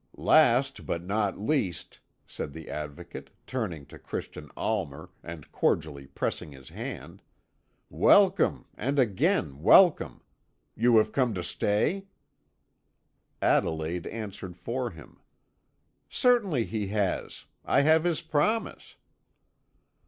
"Last, but not least," said the Advocate, turning to Christian Almer, and cordially pressing his hand. "Welcome, and again welcome! You have come to stay?" Adelaide answered for him: "Certainly he has: I have his promise."